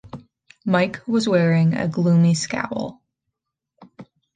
Mike was wearing a gloomy scowl.